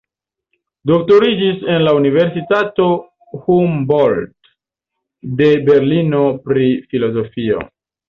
Doktoriĝis en la Universitato Humboldt de Berlino pri filozofio.